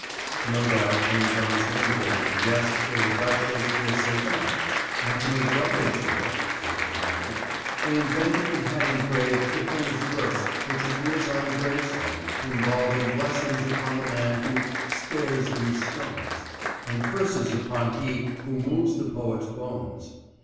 No doubt Ben Jonson and Drayton guessed they had got Shakespeare safe enough, but to make doubly sure (says Donnelly) they invented and had engraved the famous verse which appears on the gravestone, involving blessings upon the man who "spares these stones" and curses upon he who moves the poet's bones.